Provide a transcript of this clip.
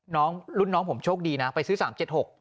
น้องรุ่นน้องผมโชคดีนะไปซื้อ๓๗๖